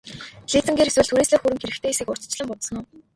Лизингээр эсвэл түрээслэх хөрөнгө хэрэгтэй эсэхийг урьдчилан бодсон уу?